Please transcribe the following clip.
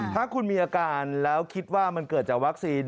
ถ้าคุณมีอาการแล้วคิดว่ามันเกิดจากวัคซีน